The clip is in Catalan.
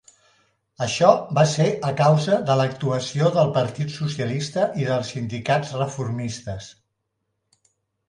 Això va ser a causa de l'actuació del Partit Socialista i dels sindicats reformistes.